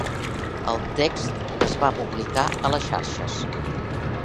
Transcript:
El text es va publicar a les xarxes